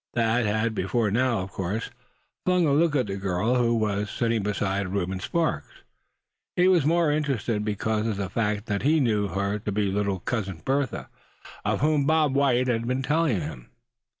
Thad had before now, of course, flung a look at the girl who was sitting beside Reuben Sparks. He was more interested because of the fact that he knew her to be the little Cousin Bertha, of whom Bob White had been telling him.